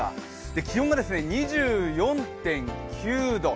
気温が２４．９度。